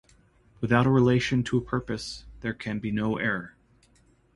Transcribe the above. Without a relation to a purpose, there can be no error.